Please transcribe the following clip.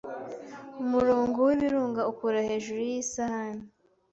Umurongo wibirunga ukura hejuru yisahani